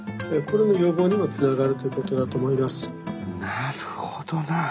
なるほどな。